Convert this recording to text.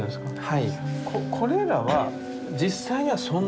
はい。